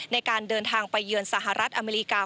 ในการเดินทางไปเยือนสหรัฐอเมริกา